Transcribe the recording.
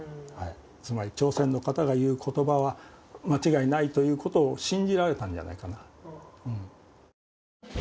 つまり朝鮮の方が言う言葉は間違いないということを信じられたんじゃないかな。